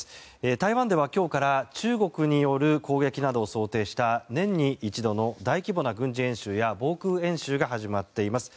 台湾では今日から中国による攻撃などを想定した年に一度の大規模な軍事演習や防空演習が始まっています。